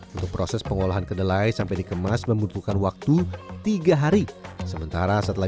untuk proses pengolahan kedelai sampai dikemas membutuhkan waktu tiga hari sementara setelah